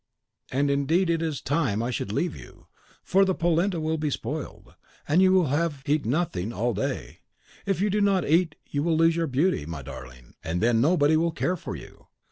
"And indeed it is time I should leave you; for the polenta will be spoiled, and you have eat nothing all day. If you don't eat you will lose your beauty, my darling, and then nobody will care for you.